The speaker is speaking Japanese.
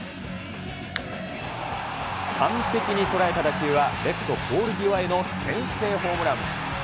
完璧に捉えた打球は、レフトポール際への先制ホームラン。